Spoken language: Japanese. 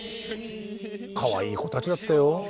かわいい子たちだったよ。